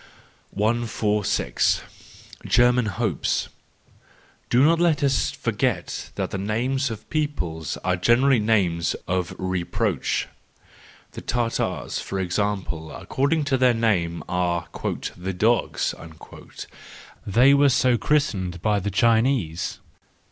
146. German Hopes .— Do not let us forget that the names of peoples are generally names of reproach. The Tartars, for example, according to their name, are " the dogs "; they were so christened by the Chinese.